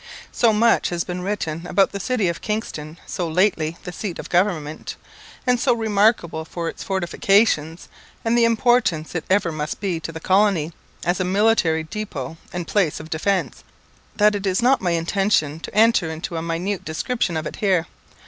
So much has been written about the city of Kingston, so lately the seat of government, and so remarkable for its fortifications, and the importance it ever must be to the colony as a military depot and place of defence, that it is not my intention to enter into a minute description of it here.